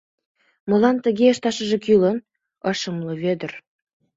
— Молан тыге ышташыже кӱлын? — ыш умыло Вӧдыр.